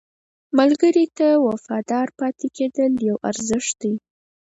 ملګری ته وفادار پاتې کېدل یو ارزښت دی